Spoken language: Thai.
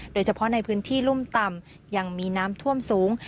โดยเฉพาะในพื้นที่รุ่มต่ำยังมีน้ำท่วมสูง